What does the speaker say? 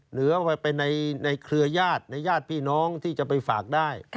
หรือว่าเป็นในเครื่อยาดในญาติพี่น้องที่จะไปฝากได้